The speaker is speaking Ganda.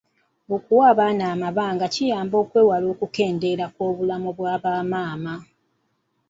Okuwa abaana amabanga kuyamba okwewala okukendeera kw’obulamu bwa maama.